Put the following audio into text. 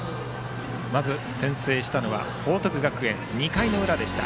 まず先制したのは報徳学園２回の裏でした。